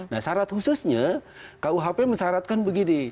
nah syarat khususnya kuhp mensyaratkan begini